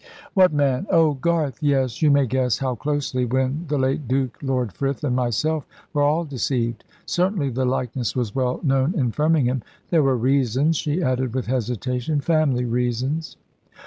"What man? Oh, Garth yes. You may guess how closely, when the late Duke, Lord Frith, and myself were all deceived. Certainly the likeness was well known in Firmingham. There were reasons," she added with hesitation "family reasons."